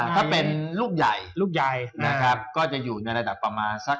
ถ้าเป็นลูกใหญ่ก็จะอยู่ในระดับประมาณสัก๑๐